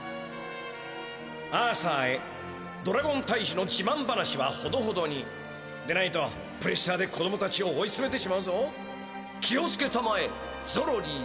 「アーサーへドラゴンたいじのじまんばなしはほどほどにでないとプレッシャーでこどもたちをおいつめてしまうぞきをつけたまえゾロリより」。